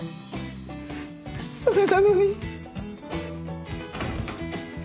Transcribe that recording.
それなのに。